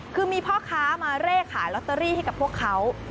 คือมีพ่อค้ามาเร่ขายลอตเตอรี่ให้กับพวกเขา